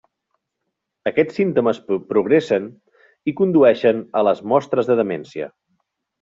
Aquests símptomes progressen i condueixen a les mostres de demència.